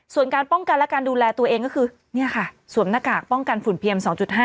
ส่วนการป้องกันและการดูแลตัวเองก็คือเนี่ยค่ะสวมหน้ากากป้องกันฝุ่นเพียง๒๕